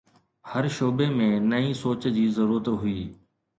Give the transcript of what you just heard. هر شعبي ۾ نئين سوچ جي ضرورت هئي.